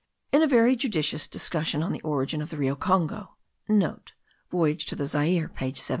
In a very judicious discussion on the origin of the Rio Congo,* (* Voyage to the Zaire page 17.)